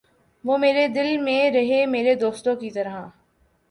وُہ میرے دل میں رہے میرے دوستوں کی طرح